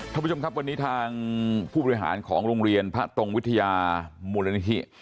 ท่านผู้ชมครับวันนี้ทางผู้บริหารของโรงเรียนพระตรงวิทยามูลนิธิ